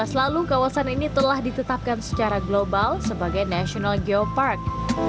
dua belas lalu kawasan ini telah ditetapkan secara global sebagai national geopark